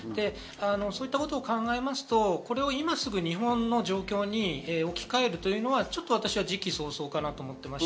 そういったことを考えますと、これを今すぐ日本の状況に置き換えるというのは、ちょっと私は時期尚早かと思っています。